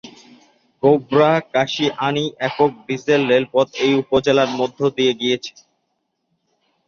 গোবরা-কাশিয়ানী একক ডিজেল রেলপথ এই উপজেলার মধ্য দিয়ে গিয়েছে।